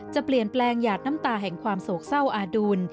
จะเปลี่ยนแปลงหยาดน้ำตาแห่งความโศกเศร้าอาดูล